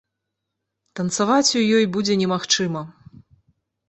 Танцаваць у ёй будзе немагчыма.